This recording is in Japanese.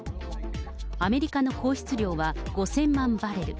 アメリカの放出量は５０００万バレル。